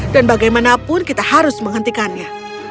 dan bagaimanapun kita harus menghentikannya